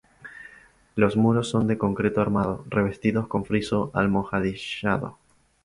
Los muros son de concreto armado, revestidos con friso almohadillado.